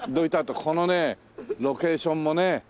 このねロケーションもね。